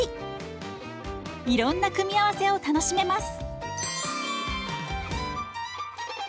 いろんな組み合わせを楽しめます。